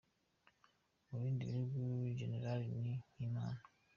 Mu bindi bihugu Jenerali ni nk’Imana.